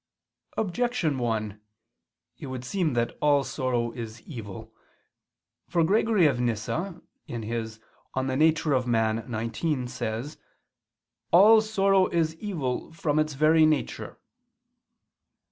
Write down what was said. Objection 1: It would seem that all sorrow is evil. For Gregory of Nyssa [*Nemesius, De Nat. Hom. xix.] says: "All sorrow is evil, from its very nature."